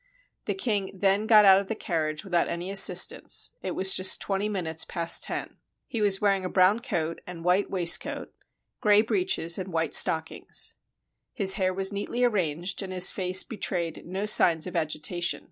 The king then got out of the carriage without any assistance; it was just twenty min utes past ten. He was wearing a brown coat and white waistcoat, gray breeches, and white stockings. His hair 312 THE EXECUTION OF LOUIS XVI was neatly arranged, and his face betrayed no signs of agitation.